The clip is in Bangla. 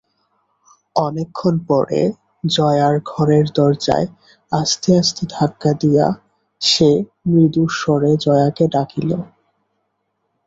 অনেকক্ষণ পরে জয়ার ঘরের দরজায় আস্তে আস্তে ধাক্কা দিয়া সে মৃদুস্বরে জয়াকে ডাকিল।